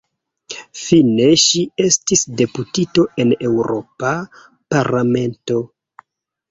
Fine ŝi estis deputito en Eŭropa Parlamento.